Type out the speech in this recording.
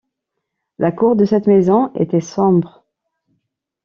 La cour de cette maison était sombre.